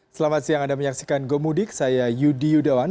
selamat siang anda menyaksikan gomudik saya yudi yudawan